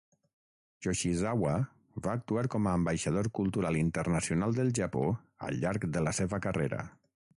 Yoshizawa va actuar com a ambaixador cultural internacional del Japó al llarg de la seva carrera.